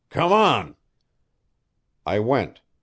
"Come on!" I went.